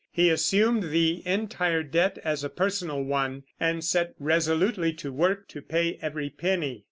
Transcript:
He assumed the entire debt as a personal one, and set resolutely to work to pay every penny.